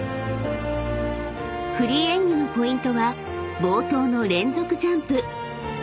［フリー演技のポイントは冒頭の連続ジャンプ］